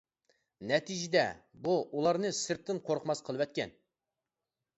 نەتىجىدە بۇ ئۇلارنى سىرتتىن قورقماس قىلىۋەتكەن.